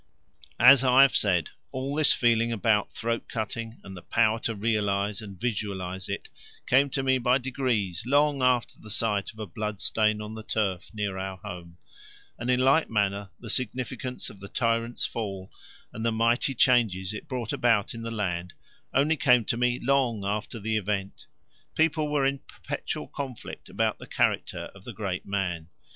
As I have said, all this feeling about throat cutting and the power to realize and visualize it, came to me by degrees long after the sight of a blood stain on the turf near our home; and in like manner the significance of the tyrant's fall and the mighty changes it brought about in the land only came to me long after the event. People were in perpetual conflict about the character of the great man.